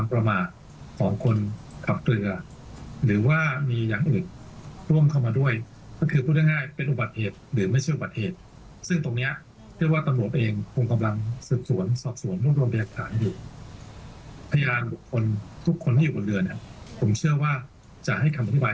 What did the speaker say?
พยานบุคคลทุกคนที่อยู่บนเรือผมเชื่อว่าจะให้คำอธิบาย